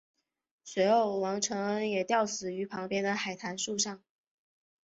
随后王承恩也吊死于旁边的海棠树上。